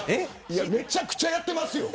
めちゃくちゃ、やってますよ。